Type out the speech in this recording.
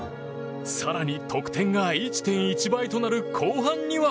更に得点が１．１倍となる後半には。